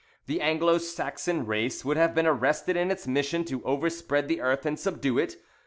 The Anglo Saxon race would have been arrested in its mission to overspread the earth and subdue it.